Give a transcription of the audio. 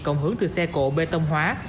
cộng hướng từ xe cổ bê tông hóa